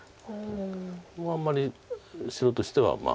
ここはあんまり白としてはまあ。